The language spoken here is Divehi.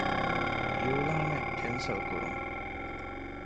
އިޢުލާނެއް ކެންސަލް ކުރުން